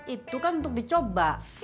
itu kan untuk dicoba